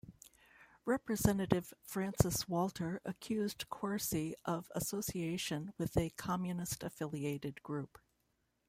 Representative Francis Walter accused Corsi of association with a Communist-affiliated group.